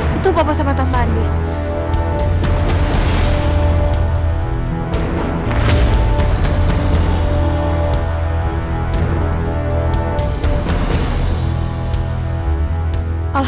aku tak ternyata nggak beli minum kehidupannya